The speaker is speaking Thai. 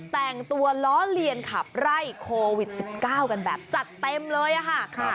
แต่งตัวล้อเลียนขับไล่โควิด๑๙กันแบบจัดเต็มเลยค่ะ